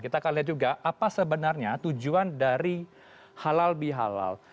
kita akan lihat juga apa sebenarnya tujuan dari halal bihalal